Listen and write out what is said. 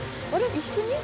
一緒に？」